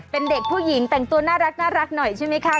เป็นเด็กผู้หญิงแต่งตัวน่ารักหน่อยใช่ไหมคะ